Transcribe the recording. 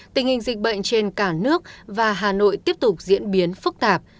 tình hình dịch bệnh trên cả nước và hà nội tiếp tục diễn biến phức tạp